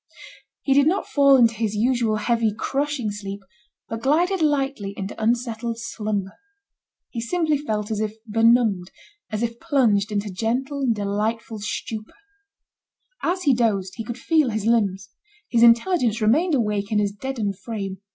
He did not fall into his usual heavy, crushing sleep, but glided lightly into unsettled slumber. He simply felt as if benumbed, as if plunged into gentle and delightful stupor. As he dozed, he could feel his limbs. His intelligence remained awake in his deadened frame.